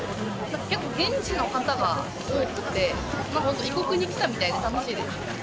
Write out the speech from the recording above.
結構、現地の方が多くて、なんか異国に来たみたいで楽しいです。